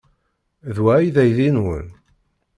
D wa ay d aydi-nwen?